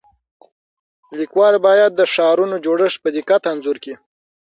لیکوال باید د ښارونو جوړښت په دقت انځور کړي.